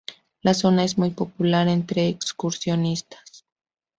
La zona es muy popular entre excursionistas.